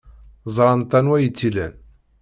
Ẓrant anwa ay tt-ilan.